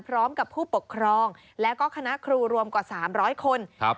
พร้อมกับผู้ปกครองแล้วก็คณะครูรวมกว่า๓๐๐คนครับ